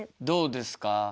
どうですか？